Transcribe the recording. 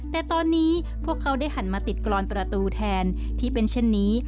แต่ตอนนี้พวกเขาได้หันมาติดกรอนประตูแทนที่เป็นเช่นนี้